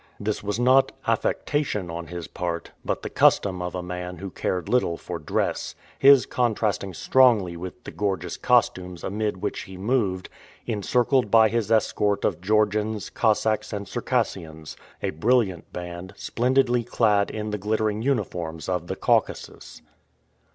This was not affectation on his part, but the custom of a man who cared little for dress, his contrasting strongly with the gorgeous costumes amid which he moved, encircled by his escort of Georgians, Cossacks, and Circassians a brilliant band, splendidly clad in the glittering uniforms of the Caucasus.